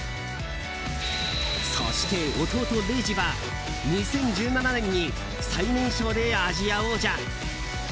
そして弟・Ｒｅｉｊｉは２０１７年に最年少でアジア王者。